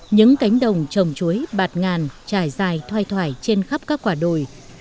những cánh đồng trồng chuối bạt ngàn trải dài thoai thoải trên khắp các quả đồi